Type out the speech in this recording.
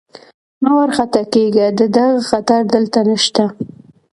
مه وارخطا کېږئ، د دغه خطر دلته نشته.